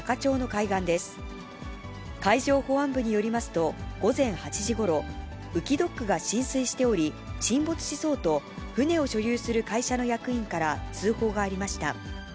海上保安部によりますと、午前８時ごろ、浮きドックが浸水しており、沈没しそうと、船を所有する会社の役員から通報がありました。